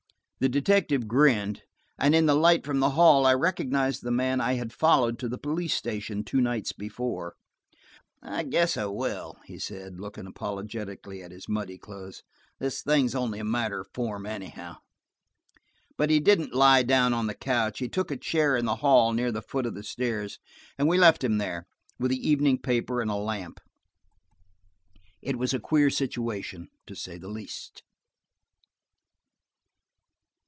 The detective grinned, and in the light from the hall I recognized the man I had followed to the police station two nights before. "I guess I will," he said, looking apologetically at his muddy clothes. "This thing is only a matter of form, anyhow." But he didn't lie down on the couch. He took a chair in the hall near the foot of the stairs, and we left him there, with the evening paper and a lamp. It was a queer situation, to say the least.